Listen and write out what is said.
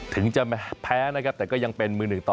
ถึงจะแพ้นะครับแต่ก็ยังเป็นมือหนึ่งต่อ